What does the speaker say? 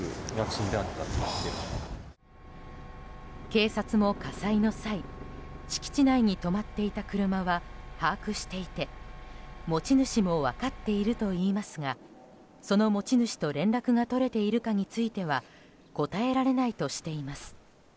警察も火災の際、敷地内に止まっていた車は把握していて持ち主も分かっているといいますがその持ち主と連絡が取れているかについては答えられないとしています。